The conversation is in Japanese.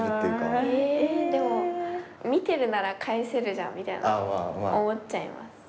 えでも見てるなら返せるじゃんみたいな思っちゃいます。